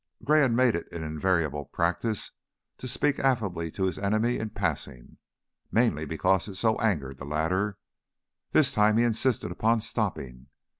Gray had made it an invariable practice to speak affably to his enemy in passing, mainly because it so angered the latter; this time he insisted upon stopping.